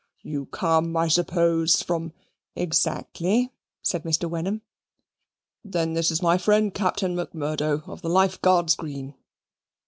"You come, I suppose, from " "Exactly," said Mr. Wenham. "Then this is my friend Captain Macmurdo, of the Life Guards Green."